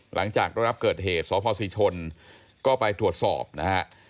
หลังจากรับเกิดเหตุสาวเผ่าศรีชนก็ไปถวดสอบนะฮะ